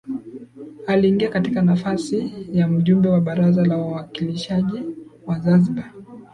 Aliingia katika nafasi ya Mjumbe wa Baraza la Wawakilishi wa Zanzibar